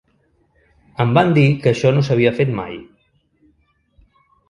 Em van dir que això no s’havia fet mai.